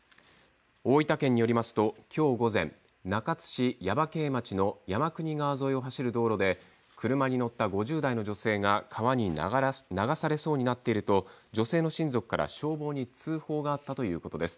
大分県によりますと今日午前中津市耶馬溪町の山国川沿いを走る道路で車に乗った５０代の女性が川に流されそうになっていると女性の親族から消防に通報があったということです。